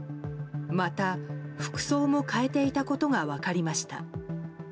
また、服装も変えていたことが分かりました。